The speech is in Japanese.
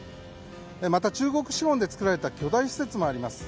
また中国資本で作られた巨大施設もあります。